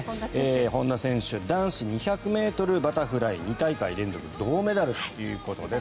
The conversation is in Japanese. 本多選手男子２００ｍバタフライ２大会連続銅メダルということです。